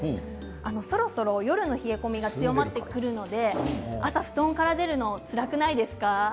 そろそろ夜の冷え込みが強まってくるので朝、布団から出るのがつらいです。